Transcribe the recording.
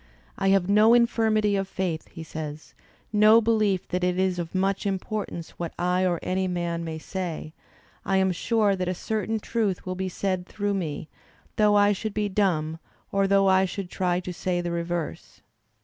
"I have no infirmity of faith," he says, no belief that it is of much importance what I or any man may say; I am sure that a certain truth will be said through me, though I should be dumb, or though I should try to say the reverse."